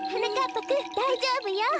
ぱくんだいじょうぶよ！